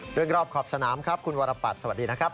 รอบขอบสนามครับคุณวรปัตรสวัสดีนะครับ